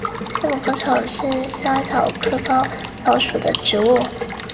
瓦利森特镇区为美国堪萨斯州塞奇威克县辖下的镇区。